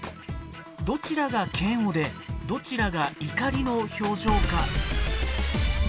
どちらが嫌悪でどちらが怒りの表情か。